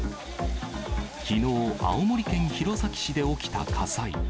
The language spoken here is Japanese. きのう、青森県弘前市で起きた火災。